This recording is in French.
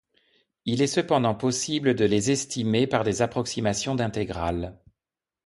Il est cependant possible de les estimer par des approximations d'intégrales.